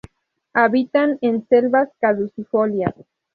Habitan en selvas caducifolias.